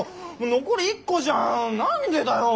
残り１個じゃん何でだよ